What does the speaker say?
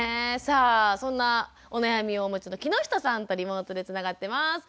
さあそんなお悩みをお持ちの木下さんとリモートでつながってます。